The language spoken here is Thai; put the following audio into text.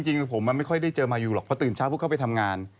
จริงผมไม่ค่อยได้เจอมายูหรอกเพราะตื่นเช้าปุ๊บเข้าไปทำงาน